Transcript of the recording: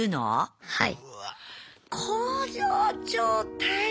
はい。